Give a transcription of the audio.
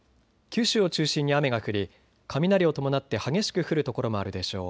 九州を中心に雨が降り雷を伴って激しく降る所もあるでしょう。